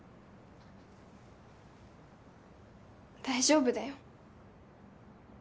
大丈夫だよ。